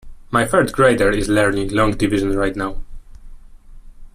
My third grader is learning long division right now.